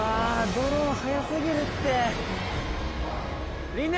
ドローンはやすぎるって琳寧！